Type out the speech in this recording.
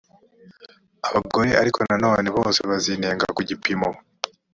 abagore ariko na none bose bazinenga ku gipimo